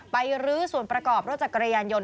รื้อส่วนประกอบรถจักรยานยนต